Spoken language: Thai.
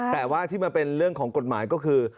แต่ว่าที่มันเป็นเรื่องของกฎหมายก็คือ